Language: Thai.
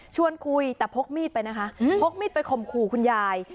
คุยแต่พกมีดไปนะคะพกมีดไปข่มขู่คุณยาย